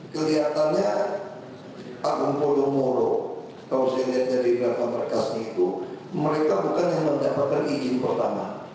kelihatannya agung podomoro kalau dilihat dari belakang rekasnya itu mereka bukan yang mendapatkan izin pertama